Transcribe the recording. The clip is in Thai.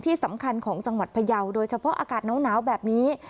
ที่สำคัญของจังหวัดพยาวโดยเฉพาะอากาศหนาวแบบนี้